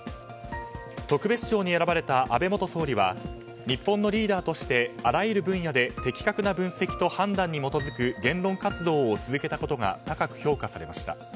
特別賞に選ばれた安倍元総理は日本のリーダーとしてあらゆる分野で的確な分析と判断に基づく言論活動を続けたことが高く評価されました。